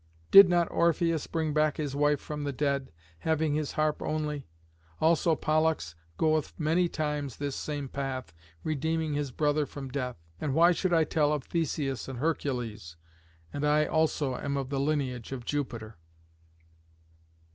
Did not Orpheus bring back his wife from the dead, having his harp only? Also Pollux goeth many times this same path, redeeming his brother from death. And why should I tell of Theseus and Hercules? And I also am of the lineage of Jupiter."